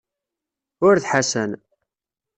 Ur d Ḥasan.